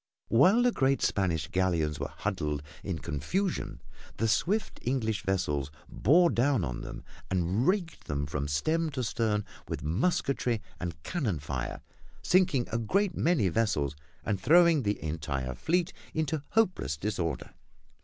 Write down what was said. While the great Spanish galleons were huddled in confusion the swift English vessels bore down on them and raked them from stem to stern with musketry and cannon fire, sinking a great many vessels and throwing the entire fleet into hopeless disorder.